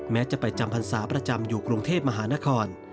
จะไปจำพรรษาประจำอยู่กรุงเทพมหานคร